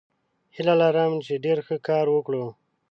هیله لرم چې ډیر ښه کار وکړو.